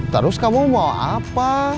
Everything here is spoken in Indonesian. terus kamu mau apa